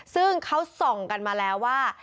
ซึ่งเขาส่องกันมาแล้วว่า